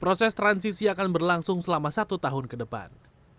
proses transisi akan berlangsung selama satu tahun ke depan